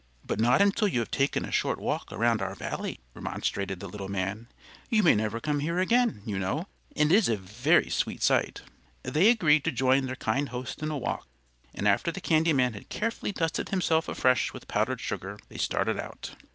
"But not until you have taken a short walk around our Valley," remonstrated the little man. "You may never come here again, you know, and it is a very sweet sight." They agreed to join their kind host in a walk, and after the candy man had carefully dusted himself afresh with powdered sugar, they started out.